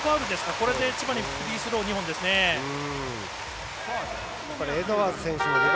これで千葉にフリースロー２本。